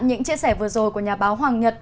những chia sẻ vừa rồi của nhà báo hoàng nhật